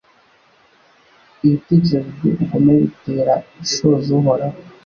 Ibitekerezo by’ubugome bitera ishozi Uhoraho